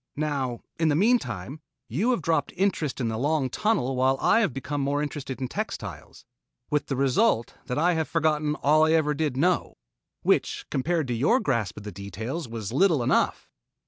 Now in the meantime, you have dropped interest in the long tunnel while I have become more interested in textiles with the result that I have forgotten all I ever did know which compared to your grasp of the details, was little enough."